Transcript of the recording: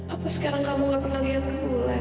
apa sekarang kamu gak pernah lihat kebulan